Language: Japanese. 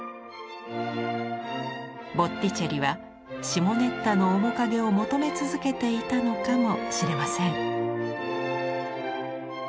ボッティチェリはシモネッタの面影を求め続けていたのかもしれません。